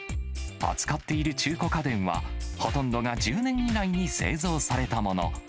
扱っている中古家電は、ほとんどが１０年以内に製造されたもの。